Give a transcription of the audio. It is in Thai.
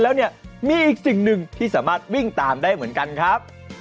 แล้วเนี่ยมีอีกสิ่งหนึ่งที่สามารถวิ่งตามได้เหมือนกันครับ